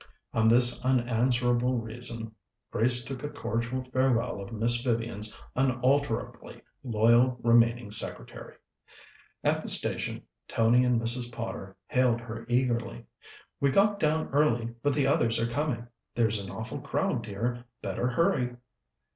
On this unanswerable reason, Grace took a cordial farewell of Miss Vivian's unalterably loyal remaining secretary. At the station Tony and Mrs. Potter hailed her eagerly. "We got down early, but the others are coming. There's an awful crowd, dear; better hurry."